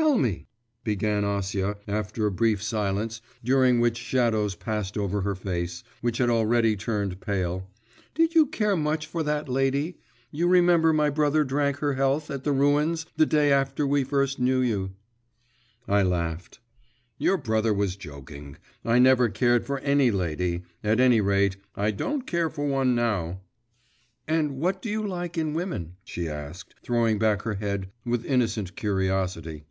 'Tell me,' began Acia, after a brief silence during which shadows passed over her face, which had already turned pale, 'did you care much for that lady?… You remember my brother drank her health at the ruins the day after we first knew you.' I laughed. 'Your brother was joking. I never cared for any lady; at any rate, I don't care for one now.' 'And what do you like in women?' she asked, throwing back her head with innocent curiosity.